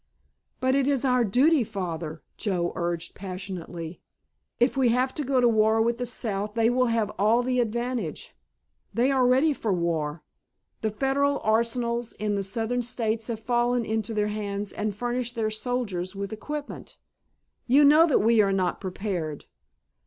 "But it is our duty, Father," Joe urged passionately. "If we have to go to war with the South they will have all the advantage. They are ready for war. The Federal arsenals in the Southern States have fallen into their hands and furnished their soldiers with equipment. You know that we are not prepared.